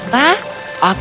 dia bahkan vapor tomat